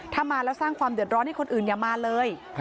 ถ้ามาแล้วสร้างความเดือดร้อนให้คนอื่นอย่ามาเลย